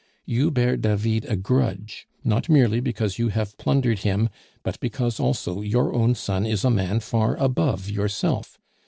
You bear David a grudge, not merely because you have plundered him, but because, also, your own son is a man far above yourself.